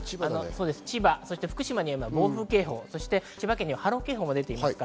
千葉・福島には暴風警報、そして千葉県には波浪警報も出ています。